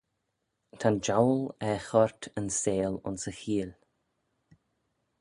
Ta'n Jowl er choyrt yn seihll ayns yn cheeill.